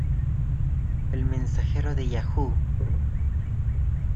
El mensajero de Yahoo!